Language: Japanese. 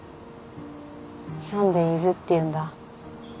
サンデイズっていうんだ